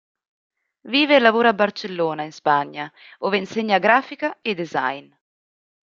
Vive e lavora a Barcellona in Spagna, ove insegna grafica e design.